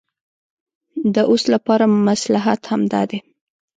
د اوس لپاره مصلحت همدا دی.